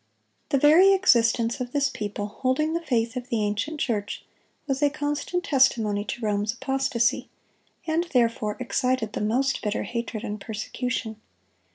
The very existence of this people, holding the faith of the ancient church, was a constant testimony to Rome's apostasy, and therefore excited the most bitter hatred and persecution.